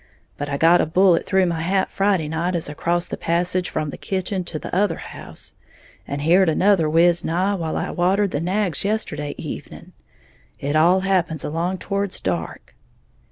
But I got a bullet through my hat Friday night as I crossed the passage from the kitchen to t'other house, and heared another whiz nigh while I watered the nags yesterday evening. It all happens along towards dark."